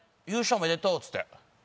おめでとうっつって。